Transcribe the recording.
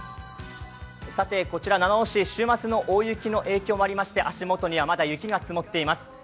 こちら七尾市、週末の大雪の影響もありまして足下にはまだ雪が積もっています。